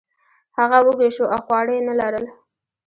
هغه وږی شو او خواړه یې نه لرل.